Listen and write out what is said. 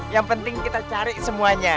yang penting kita cari semuanya